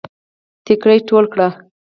ټيکړی ټول کړه